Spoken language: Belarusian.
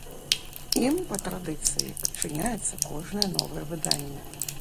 Ім, па традыцыі, адчыняецца кожнае новае выданне.